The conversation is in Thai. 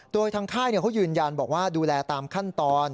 โดยทางค่ายเขายืนยันบอกว่าดูแลตามขั้นตอน